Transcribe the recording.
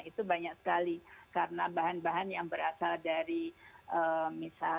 itu banyak sekali karena bahan bahan yang berasal dari misal